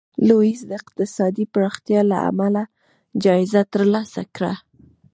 لویس د اقتصادي پراختیا له امله جایزه ترلاسه کړه.